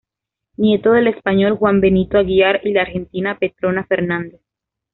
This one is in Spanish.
Nieto del español "Juan Benito Aguiar" y la argentina "Petrona Fernández".